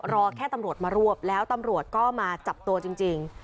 รอแค่ตำรวจมารวบแล้วตำรวจก็มาจับตัวจริง